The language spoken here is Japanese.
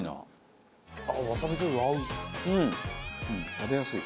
食べやすい。